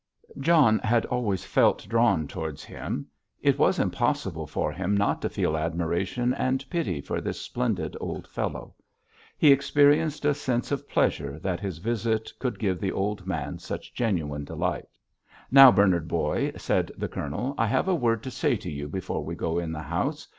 John had always felt drawn towards him; it was impossible for him not to feel admiration and pity for this splendid old fellow. He experienced a sense of pleasure that his visit could give the old man such genuine delight. "Now, Bernard, boy," said the Colonel, "I have a word to say to you before we go in the house.